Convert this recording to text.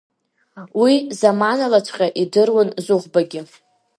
Уи заманалаҵәҟьа идыруан Зыхәбагьы.